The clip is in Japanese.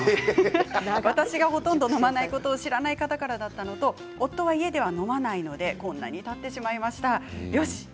私がほとんど飲まないことを知らない方からだったのと夫は家では飲まないのでこんなにたってしまいました。